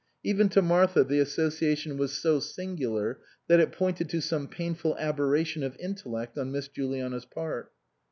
Even to Martha the association was so singular that it pointed to some painful aberration of intellect on Miss Juliana's part.